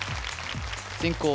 先攻